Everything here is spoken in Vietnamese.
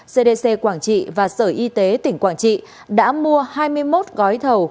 cdc quảng trị và sở y tế tỉnh quảng trị đã mua hai mươi một gói thầu